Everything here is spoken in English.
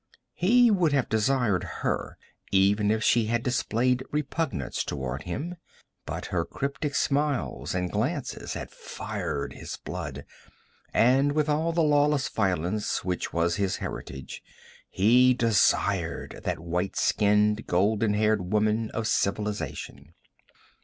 He would have desired her even if she had displayed repugnance toward him. But her cryptic smiles and glances had fired his blood, and with all the lawless violence which was his heritage he desired that white skinned golden haired woman of civilization.